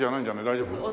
大丈夫？